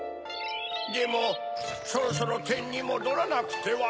でもそろそろてんにもどらなくては。